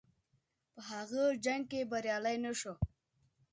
په هغه جنګ کې بریالی نه شو.